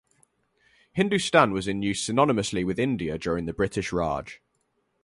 "Hindustan" was in use synonymously with "India" during the British Raj.